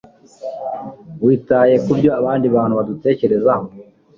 witaye kubyo abandi bantu badutekerezaho